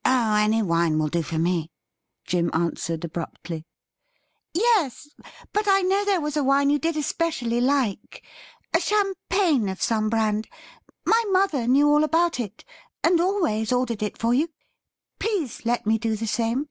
' Oh, any wine will do for me,' Jim answered abruptly. ' Yes, but I know there was a wine you did especially like — a champagne of some brand. My mother knew all about it, and always ordered it for you. Please let me do the same.'